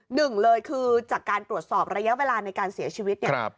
หนึ่งเลยคือจากการตรวจสอบระยะเวลาในการเสียชีวิตเนี่ย